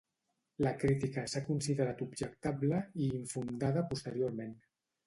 La crítica s'ha considerat objectable i infundada posteriorment.